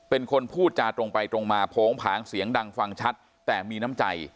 เป็นคนพูดจาตรงไปตรงมาโผงผางเสียงดังฟังชัดแต่มีน้ำใจ